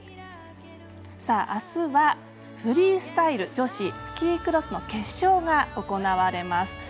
あすはフリースタイル女子スキークロスの決勝が行われます。